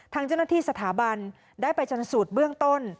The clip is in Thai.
ทางเจ้าหน้าที่สถาบันได้ไปชนสูตรเบื้องต้น